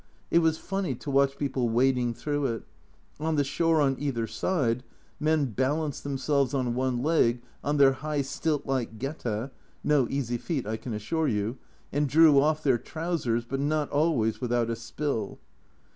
It was funny to watch people wading through it ; on the shore on either side men balanced themselves on one leg on their high stilt like geta (no easy feat I can assure you) and drew off their trousers, but not always without a spill.